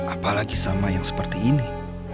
apalagi sama yang seperti ini